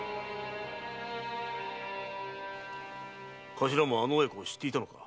頭もあの親子を知っていたのか？